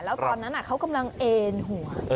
แล้วตอนนั้นเขากำลังเอ็นหัว